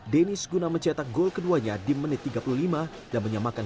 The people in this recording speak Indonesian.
deniz kuna mencetak gol keduanya di menit tiga puluh lima